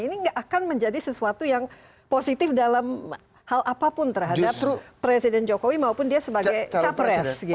ini nggak akan menjadi sesuatu yang positif dalam hal apapun terhadap presiden jokowi maupun dia sebagai capres